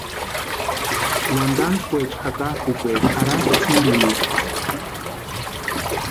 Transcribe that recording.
Wantantskwaecha jakakʼukwaeri jarhasti tsirieri.